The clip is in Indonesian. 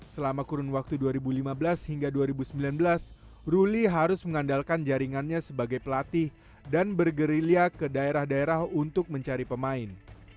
selama kurun waktu dua ribu lima belas hingga dua ribu sembilan belas ruli harus mengandalkan jaringannya sebagai pelatih dan bergerilya ke daerah daerah untuk mencari pemain